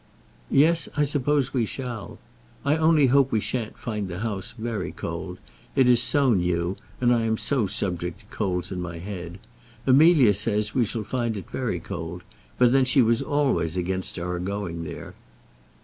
"Yes, I suppose we shall. I only hope we shan't find the house very cold. It is so new, and I am so subject to colds in my head. Amelia says we shall find it very cold; but then she was always against our going there."